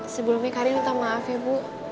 sebelumnya karya minta maaf ya bu